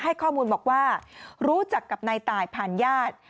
ให้ข้อมูลบอกว่ารู้จักกับนายตายผ่านญาติ